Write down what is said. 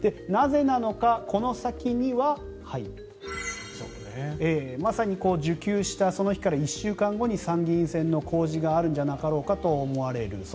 なぜなのか、この先にはまさに受給したその日から１週間後に参院議員選の公示があるんじゃないかと思われる。